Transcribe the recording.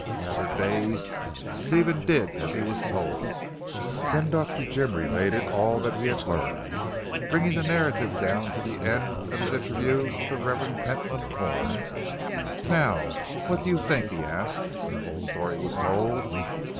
Rather dazed, Stephen did as he was told. Then Dr. Jim related all that he had learned, bringing the narrative down to the end of his interview with the Revd. Pentland Corn. "Now what do you think?" he asked when the whole story was told.